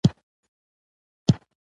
د مجلس په پیل کي د کندهار ښاروال